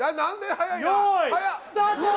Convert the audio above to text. スタート